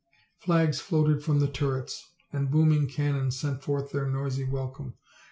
Flags floated from the turrets and booming cannon sent forth their noisy welcome.